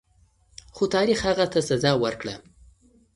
خو تاریخ هغه ته سزا ورکړه.